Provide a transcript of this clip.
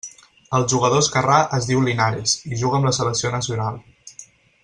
El jugador esquerrà es diu Linares i juga amb la selecció nacional.